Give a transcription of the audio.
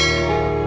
kamu mau ngerti